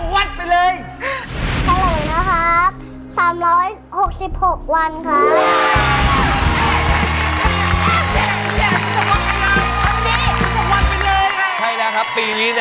มันจะวันไปเลย